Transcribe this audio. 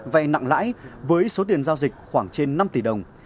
vay nặng lãi với số tiền giao dịch khoảng trên năm tỷ đồng